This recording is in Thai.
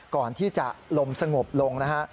ก่อนที่จะลมสงบลงนะฮะ